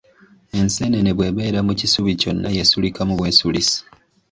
Enseenene bw’ebeera mu kisubi kyonna yeesulikamu bwesulisi.